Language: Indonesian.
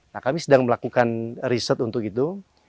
nah kami sedang melakukan riset untuk itu